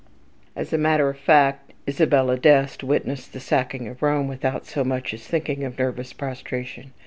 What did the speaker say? As a matter of fact, Isabella d' Este witnessed the sacking of Rome without so much as thinking of nervous prostration.